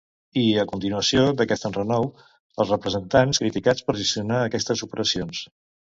I, a continuació d'aquest enrenou, els representants criticats per gestionar aquestes operacions.